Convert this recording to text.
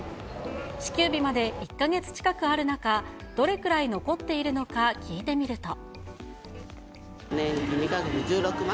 支給日まで１か月近くある中、どれくらい残っているのか、年金２か月で１６万。